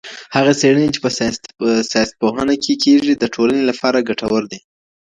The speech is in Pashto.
هغه څېړني چي په سياستپوهنه کي کېږي د ټولني لپاره ګټوري دي.